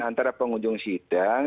antara pengunjung sidang